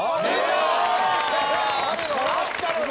あったのね！